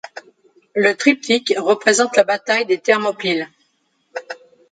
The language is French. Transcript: Le triptyque représente la bataille des Thermopyles.